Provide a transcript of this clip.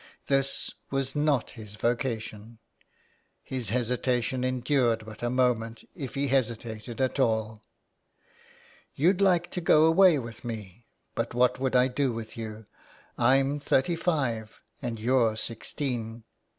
This was not his vocation. His hesitation endured but a moment, if he hesitated at all. " You'd like to go away with me, but what should I do with you. Pm thirty five and you're sixteen."